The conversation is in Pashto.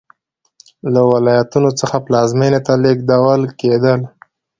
له ولایتونو څخه پلازمېنې ته لېږدول کېدل.